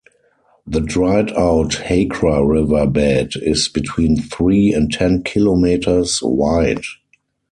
The dried out Hakra river bed is between three and ten kilometers wide.